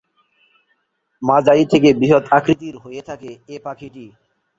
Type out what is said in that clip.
মাঝারি থেকে বৃহৎ আকৃতির হয়ে থাকে এ পাখিটি।